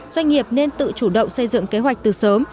doanh nghiệp nên tự chủ động xây dựng kế hoạch từ sớm